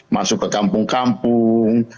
masuk ke kampung kampung